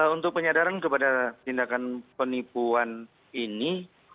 untuk penyadaran kepada tindakan penipuan ini